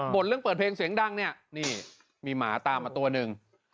บ่นเรื่องเปิดเพลงเสียงดังนี่มีหมาตามมาตัวนึง